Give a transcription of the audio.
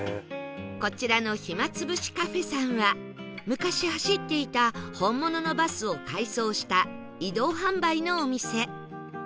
こちらのひまつぶし ｃａｆｅ さんは昔走っていた本物のバスを改装した移動販売のお店